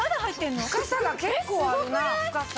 深さが結構あるな深さ。